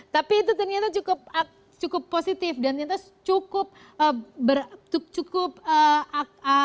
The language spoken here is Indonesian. tapi itu ternyata cukup positif dan cukup berat